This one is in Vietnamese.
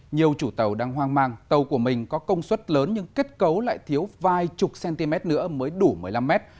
nhiều chủ tàu đang hoang mang tàu của mình có công suất lớn nhưng kết cấu lại thiếu vài chục cm nữa mới đủ một mươi năm mét